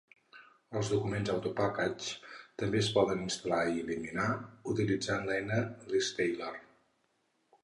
Els documents Autopackage també es poden instal·lar i eliminar utilitzant l'eina Listaller.